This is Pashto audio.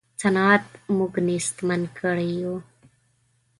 صنعت موږ نېستمن کړي یو.